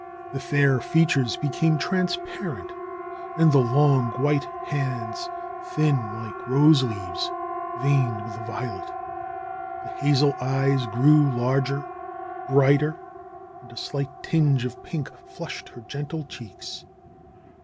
The fair features became transparent and the long, white hands thin like rose leaves, veined with violet. The hazel e3^es grew larger, brighter and a slight tinge of pink ■ flushed her gentle cheeks.